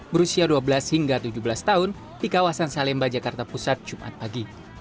berusia dua belas hingga tujuh belas tahun di kawasan salemba jakarta pusat jumat pagi